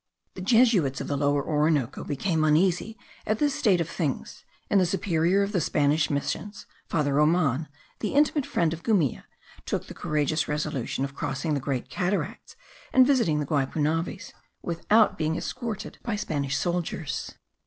The Jesuits of the Lower Orinoco became uneasy at this state of things, and the superior of the Spanish missions, Father Roman, the intimate friend of Gumilla, took the courageous resolution of crossing the Great Cataracts, and visiting the Guipunaves, without being escorted by Spanish soldiers.